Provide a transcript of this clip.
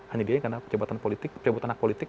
hanya dia yang kena pencabutan hak politik